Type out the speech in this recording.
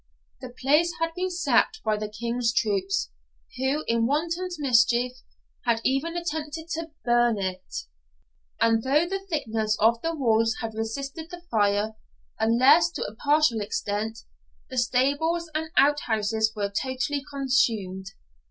The place had been sacked by the King's troops, who, in wanton mischief, had even attempted to burn it; and though the thickness of the walls had resisted the fire, unless to a partial extent, the stables and out houses were totally consumed.